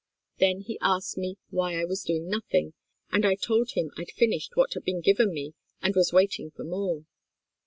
Then he asked me why I was doing nothing, and I told him I'd finished what had been given me and was waiting for more.